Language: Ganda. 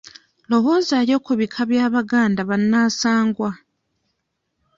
Lowoozaayo ku bika by'Abaganda bannansangwa.